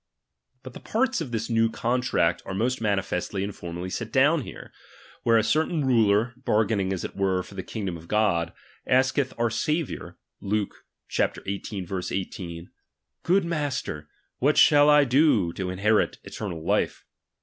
But the parts of this new contract are most manifestly and formally set down there, where a certain ruler, bargaining as it were for the kingdom of God, asketh our Saviour (Luke xviii. 1 8) : Good Master, what shall I do to in herit eternal Ife